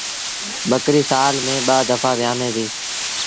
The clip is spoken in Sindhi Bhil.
ٻڪريٚ سآل ميݩ ٻآ دڦآ ويٚآمي ديٚ۔